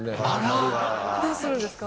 どうするんですか？